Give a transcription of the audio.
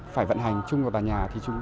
phải vận hành chung tòa nhà